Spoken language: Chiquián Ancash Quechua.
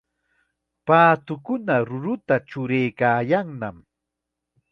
Paatukuna ruruta churaykaayannam.